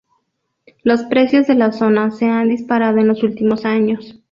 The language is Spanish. Los precios de la zona se han disparado en los últimos años.